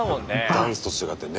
ダンスと違ってね。